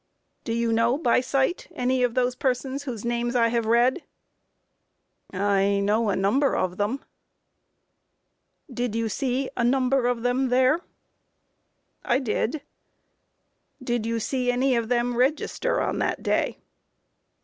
Q. Do you know by sight, any of those persons whose names I have read? A. I know a number of them. Q. Did you see a number of them there? A. I did. Q. Did you see any of them register on that day?